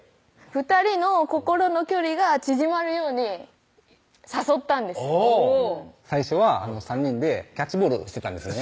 ２人の心の距離が縮まるように誘ったんですおぉ最初は３人でキャッチボールをしてたんですね